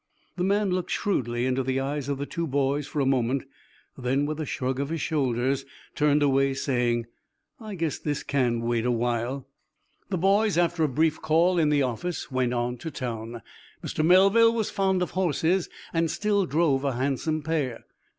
The man looked shrewdly into the eyes of the two boys for a moment, then, with a shrug of his shoulders, turned away, saying: "I guess this can wait awhile." The boys, after a brief call in the office, went on to town. Mr. Melville was fond of horses, and still drove a handsome pair.